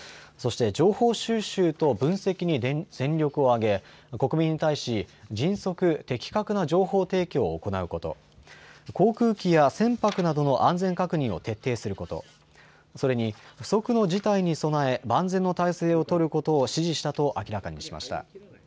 そして情報収集と分析に全力を挙げ、国民に対し、迅速、的確な情報提供を行うこと、航空機や船舶などの安全確認を徹底すること、それに不測の事態に備え万全の態勢を取ることを指示したと明らかにしました。